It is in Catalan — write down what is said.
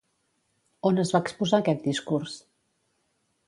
On es va exposar aquest discurs?